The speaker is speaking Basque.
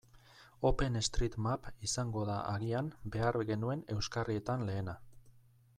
OpenStreetMap izango da agian behar genuen euskarrietan lehena.